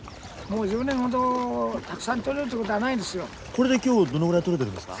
これで今日どのぐらい取れてるんですか？